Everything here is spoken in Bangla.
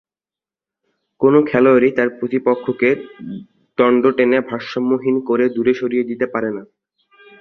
কোনও খেলোয়াড়ই তার প্রতিপক্ষকে দন্ড টেনে ভারসাম্যহীন করে দূরে সরিয়ে দিতে পারে না।